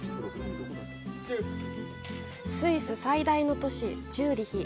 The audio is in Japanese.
スイス最大の都市・チューリヒ。